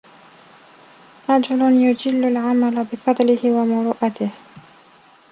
رَجُلٌ يُجِلُّ الْعَمَلَ بِفَضْلِهِ وَمُرُوءَتِهِ